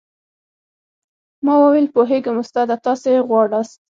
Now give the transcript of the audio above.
ما وويل پوهېږم استاده تاسې غواړاست.